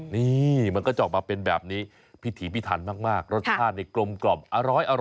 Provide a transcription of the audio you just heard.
นี่มันก็จะออกมาเป็นแบบนี้พิถีพิถันมากรสชาติเนี่ยกลมอร้อย